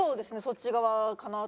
そっち側かなと。